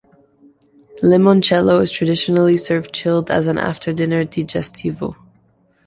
Limoncello is traditionally served chilled as an after-dinner "digestivo".